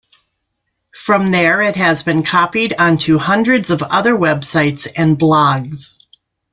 From there it has been copied onto hundreds of other websites and blogs.